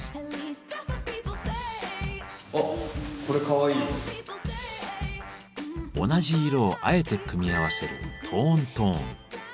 あっ同じ色をあえて組み合わせる「トーントーン」。